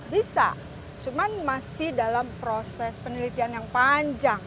bisa cuman masih dalam proses penelitian yang panjang